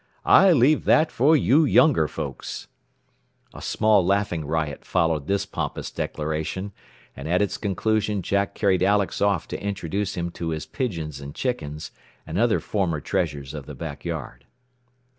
"I leave that for you younger folks." A small laughing riot followed this pompous declaration, and at its conclusion Jack carried Alex off to introduce him to his pigeons and chickens, and other former treasures of the back yard.